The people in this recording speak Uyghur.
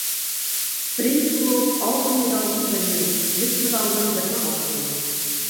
بىرىنچى بولۇپ، ئالتۇن مېدالدىن بىرنى، مىس مېدالدىن بىرنى ئاپتۇ.